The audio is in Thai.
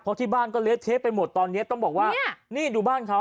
เพราะที่บ้านก็เละเทะไปหมดตอนเนี้ยต้องบอกว่านี่ดูบ้านเขา